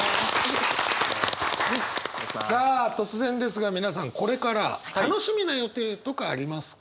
さあ突然ですが皆さんこれから楽しみな予定とかありますか？